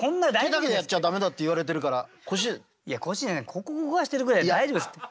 ここ動かしてるぐらい大丈夫ですって。